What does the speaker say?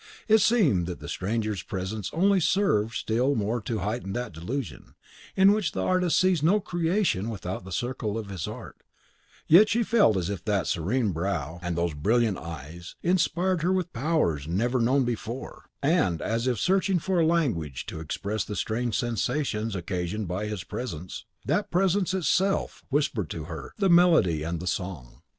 It seemed that the stranger's presence only served still more to heighten that delusion, in which the artist sees no creation without the circle of his art, she felt as if that serene brow, and those brilliant eyes, inspired her with powers never known before: and, as if searching for a language to express the strange sensations occasioned by his presence, that presence itself whispered to her the melody and the song.